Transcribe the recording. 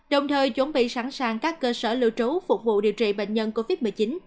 đồng thời chuẩn bị sẵn sàng các cơ sở lưu trú phục vụ điều trị bệnh nhân covid một mươi chín